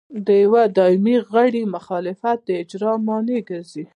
د یوه دایمي غړي مخالفت د اجرا مانع ګرځي.